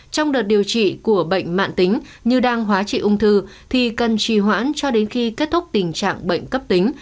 trong đợt điều trị của bệnh mạng tính như đang hóa trị ung thư thì cần trì hoãn cho đến khi kết thúc tình trạng bệnh cấp tính